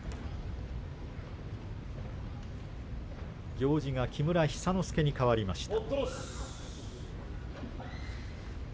行司は木村寿之介にかわりました。